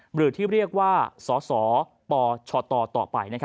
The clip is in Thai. หรือที่เรียกว่าสสปชตต่อไป